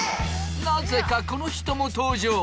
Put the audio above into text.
なぜかこの人も登場！